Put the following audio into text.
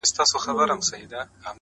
که په ژړا کي مصلحت وو!! خندا څه ډول وه!!